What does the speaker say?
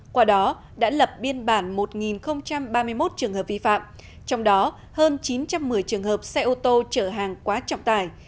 qua đó đã lập biên bản một ba mươi một trường hợp vi phạm trong đó hơn chín trăm một mươi trường hợp xe ô tô chở hàng quá trọng tải